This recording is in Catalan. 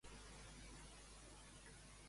A qui adoraven a la ciutat d'Ur?